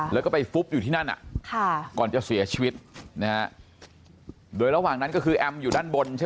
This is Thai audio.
แล้วก็ไปฟุปอยู่ที่นั่นอะ